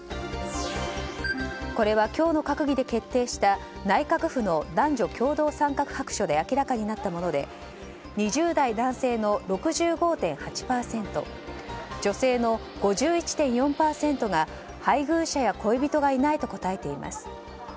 これは今日の閣議で決定した内閣府の男女共同参画白書で明らかになったもので２０代男性の６５．８％女性の５１．４％が配偶者や恋人がいないと応えています。